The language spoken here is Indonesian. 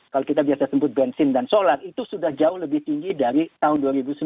kalau kita biasa sebut bensin dan solar itu sudah jauh lebih tinggi dari tahun dua ribu sembilan belas